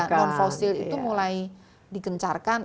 non fosil itu mulai digencarkan